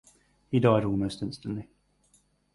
He died almost instantly.